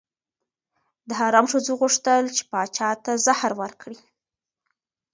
د حرم ښځو غوښتل چې پاچا ته زهر ورکړي.